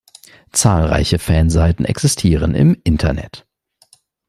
Zahlreiche Fanseiten existieren im Internet.